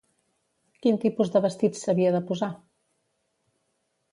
Quin tipus de vestits s'havia de posar?